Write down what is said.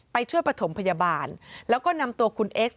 ช่วยประถมพยาบาลแล้วก็นำตัวคุณเอ็กซ